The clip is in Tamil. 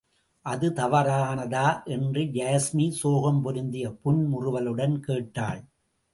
அது தவறானதா? என்று யாஸ்மி சோகம் பொருந்திய புன்முறுவலுடன் கேட்டாள்.